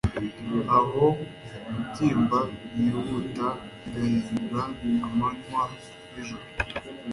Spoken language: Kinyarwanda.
Aho kubyimba byihuta bigahinduka amanywa nijoro